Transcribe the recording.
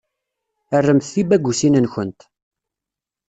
Rremt tibagusin-nkent.